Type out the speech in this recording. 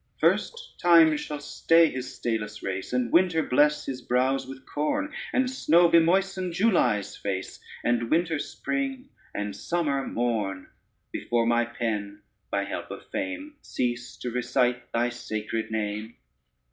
First time shall stay his stayless race, And winter bless his brows with corn, And snow bemoisten July's face, And winter spring, and summer mourn, Before my pen, by help of fame, Cease to recite thy sacred name.